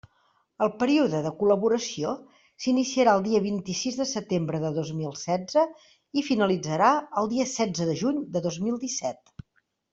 El període de la col·laboració s'iniciarà el dia vint-i-sis de setembre de dos mil setze i finalitzarà el dia setze de juny de dos mil disset.